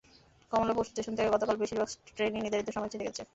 Kamalapur station থেকে গতকাল বেশির ভাগ ট্রেনই নির্ধারিত সময়ে ছেড়ে গেছে।